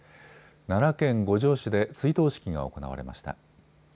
奈良県五條市で追悼式が行われました。